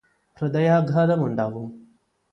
ഹൃദയാഘാതമുണ്ടാവും